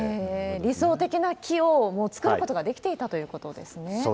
理想的な木を、もう作ることができていたということですね。